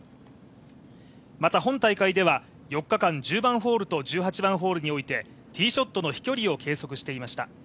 また、本大会では４日間、１０番ホールと１８番ホールにおいてティーショットの飛距離を計測していました。